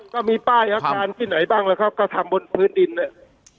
ก็มีป้ายอาคารที่ไหนบ้างล่ะครับก็ทำบนพื้นดินเนี่ย